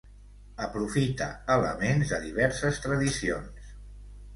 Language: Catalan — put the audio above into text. Aprofita elements de diverses tradicions.